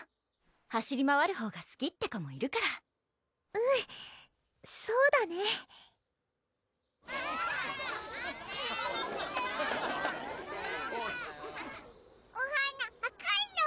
走り回るほうがすきって子もいるからうんそうだねおはなあかいの！